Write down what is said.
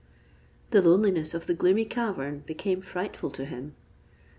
The loneliness of the gloomy cavern became frightful to him.